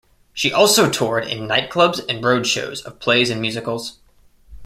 She also toured in nightclubs and roadshows of plays and musicals.